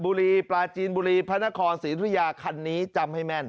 บุรีปลาจีนบุรีพระนครศรีธุยาคันนี้จำให้แม่น